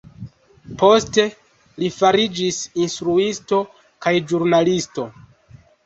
Poste, li fariĝis instruisto kaj ĵurnalisto.